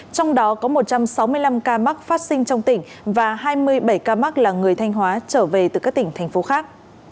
trong đó có một trăm sáu mươi năm ca mắc phát sinh trong tỉnh và hai mươi bảy ca mắc là người thanh hóa trở về từ các tỉnh thành phố khác